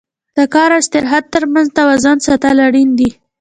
د کار او استراحت تر منځ توازن ساتل اړین دي.